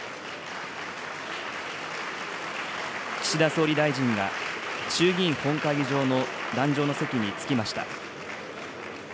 岸田総理大臣が、衆議院本会議場の壇上の席に着きました。